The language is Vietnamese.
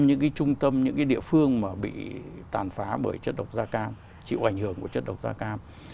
những cái trung tâm những cái địa phương mà bị tàn phá bởi chất độc gia càng chịu ảnh hưởng của chất độc gia càng